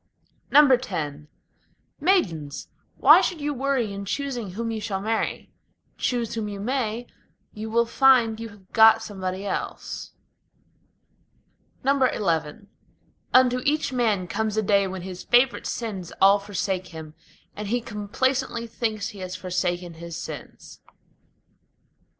X Maidens! why should you worry in choosing whom you shall marry? Choose whom you may, you will find you have got somebody else. XI Unto each man comes a day when his favorite sins all forsake him, And he complacently thinks he has forsaken his sins.